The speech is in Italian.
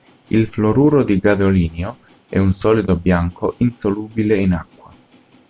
Il fluoruro di gadolinio è un solido bianco insolubile in acqua.